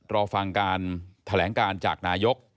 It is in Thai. รอฟังการแถลงการจากนายก